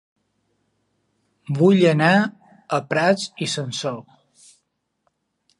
Vull anar a Prats i Sansor